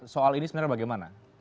soal ini sebenarnya bagaimana